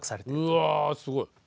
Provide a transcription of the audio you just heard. うわすごい。